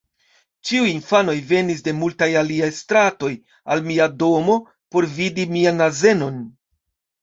Ĉiuj infanoj venis de multaj aliaj stratoj, al mia domo, por vidi mian azenon.